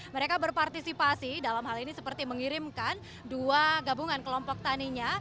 mereka berpartisipasi dalam hal ini seperti mengirimkan dua gabungan kelompok taninya